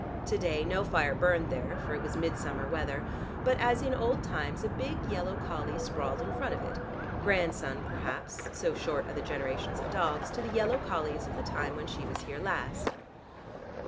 To day, no fire burned there, for it was midsummer weather; but as in old times a big yellow collie sprawled in front of it, grandson perhaps, so short are the generations of dogs, to the yellow collies of the time when she was here last.